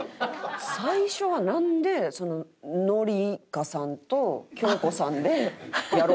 最初はなんで紀香さんと京子さんでやろうってなったん？